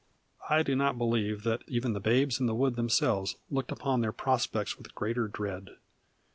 I do not believe that even the Babes in the Wood themselves looked upon their prospects with greater dread.